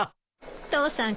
父さん